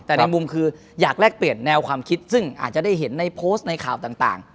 แต่ในมุมคืออยากแลกเปลี่ยนแนวความคิดซึ่งอาจจะได้เห็นในโพสต์ในข่าวต่าง